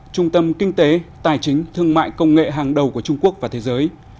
trung tâm kinh tế tài chính thương mại công nghệ hàng đầu của trung quốc và thế giới